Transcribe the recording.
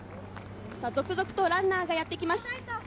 続々とランナーがやってきます。